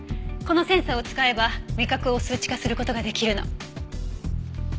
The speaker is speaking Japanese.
このセンサーを使えば味覚を数値化する事が出来るの。